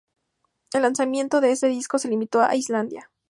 El lanzamiento de este disco se limitó a Islandia.